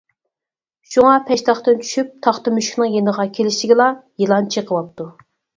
شۇڭا، پەشتاقتىن چۈشۈپ تاختا مۈشۈكنىڭ يېنىغا كېلىشىگىلا يىلان چېقىۋاپتۇ.